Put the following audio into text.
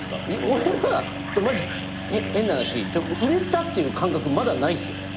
俺はマジ変な話売れたっていう感覚まだないっす。